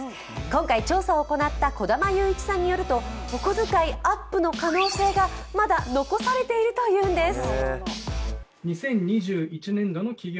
今回調査を行った小玉祐一さんによるとお小遣いアップの可能性がまだ残されているというんです。